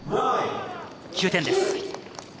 ９点です。